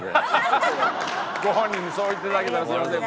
ご本人にそう言って頂けたらすいません。